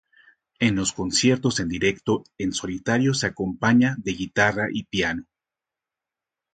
En los conciertos en directo en solitario se acompaña de guitarra y piano.